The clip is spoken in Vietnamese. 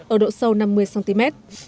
ở độ sâu năm mươi cm